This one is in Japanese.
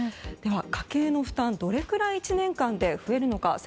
家計の負担、どれくらい１年間で増えるのか。